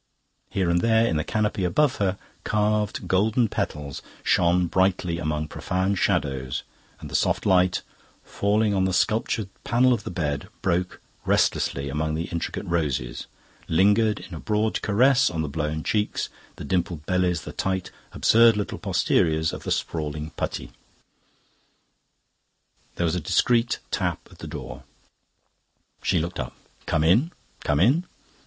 Here and there in the canopy above her carved golden petals shone brightly among profound shadows, and the soft light, falling on the sculptured panel of the bed, broke restlessly among the intricate roses, lingered in a broad caress on the blown cheeks, the dimpled bellies, the tight, absurd little posteriors of the sprawling putti. There was a discreet tap at the door. She looked up. "Come in, come in."